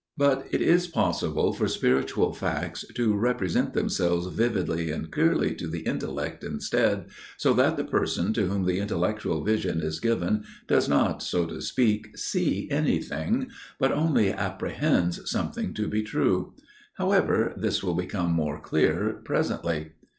But it is possible for spiritual facts to represent themselves vividly and clearly to the intellect instead, so that the person to whom the intellectual vision is given does not, so to speak, 'see' anything, but only 'apprehends' something to be true. However, this will become more clear presently.